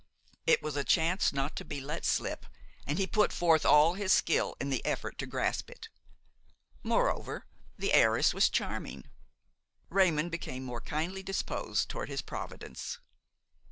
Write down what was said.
It was a chance not to be let slip, and he put forth all his skill in the effort to grasp it. Moreover, the heiress was charming; Raymon became more kindly disposed toward his providence.